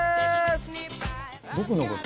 僕のこと